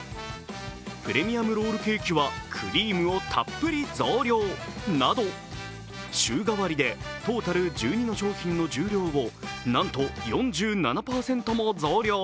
プレミアムロールケーキはクリームをたっぷり増量など、週替わりでトータル１２の商品の重量をなんと４７％も増量。